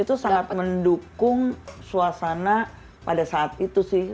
itu sangat mendukung suasana pada saat itu sih